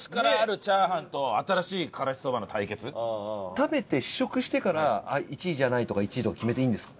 食べて試食してから１位じゃないとか１位とか決めていいんですか？